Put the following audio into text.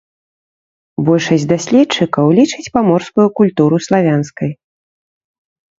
Большасць даследчыкаў лічыць паморскую культуру славянскай.